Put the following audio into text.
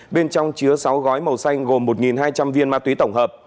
bên trong chứa sáu gói màu xanh gồm một hai trăm linh viên ma túy tổng hợp